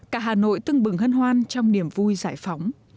cả hà nội tưng bừng hân hoan trong niềm vui giải phóng